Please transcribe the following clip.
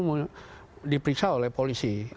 karena itu dipikirkan oleh polisi